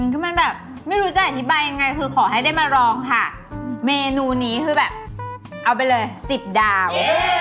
คือมันแบบไม่รู้จะอธิบายยังไงคือขอให้ได้มาลองค่ะเมนูนี้คือแบบเอาไปเลย๑๐ดาว